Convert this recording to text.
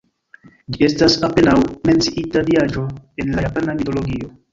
Ĝi estas apenaŭ menciita diaĵo en la japana mitologio.